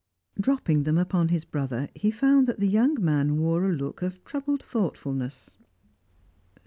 Dropping them upon his brother, he found that the young man wore a look of troubled thoughtfulness.